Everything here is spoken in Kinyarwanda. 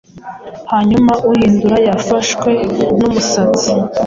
hanyuma uhindure Yafashwe numusatsi